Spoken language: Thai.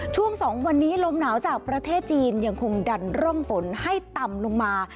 ช่วง๒วันนี้ลมหนาวจากประเทศจีนยังคงดันร่องฝนให้ต่ำลงมา